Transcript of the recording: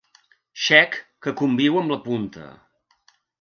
Xec que conviu amb la punta.